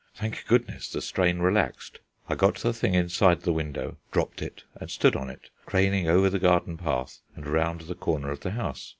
Thank goodness, the strain relaxed. I got the thing inside the window, dropped it, and stood on it, craning over the garden path and round the corner of the house.